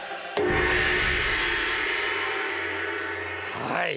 はい。